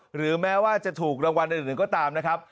หรือแม้ว่าจะถูกรางวัลอื่นก็ตามนะครับ